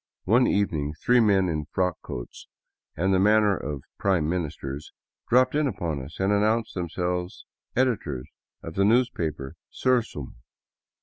One evening three men in frock coats and the manners of prime ministers dropped in upon us and announced themselves editors of the newspaper " Sursum."